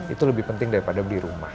itu lebih penting daripada beli rumah